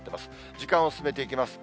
時間を進めていきます。